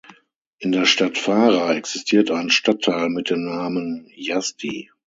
In der Stadt Farah existiert ein Stadtteil mit dem Namen Yazdi.